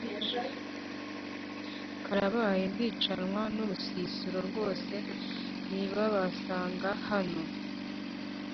karabaye ndicanwa nurusisiro rwose nibabasanga hano